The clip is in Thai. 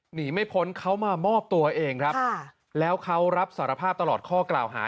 หนีไม่พ้นเขามามอบตัวเองครับแล้วเขารับสารภาพตลอดข้อกล่าวหา